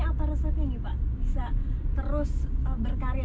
apa resepnya nih pak bisa terus berkarya